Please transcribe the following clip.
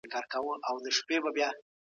«پوهنتون» او «دانشگاه» اصطلاحات، چي تقریباً